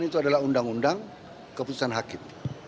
itu adalah undang undang keputusan hakim